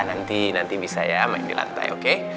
nanti nanti bisa ya main di lantai oke